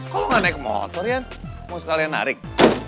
kalo gak naik motor ya mau sekalian narik